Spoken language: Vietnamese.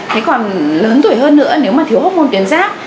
thế còn lớn tuổi hơn nữa nếu mà thiếu hormôn tuyến giáp